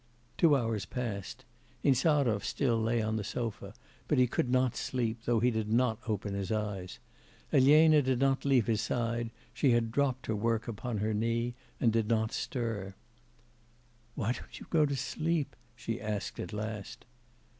Two hours passed. Insarov still lay on the sofa, but he could not sleep, though he did not open his eyes. Elena did not leave his side; she had dropped her work upon her knee, and did not stir. 'Why don't you go to sleep?' she asked at last.